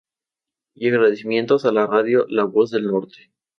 Y agradecimientos a la Radio La Voz del Norte...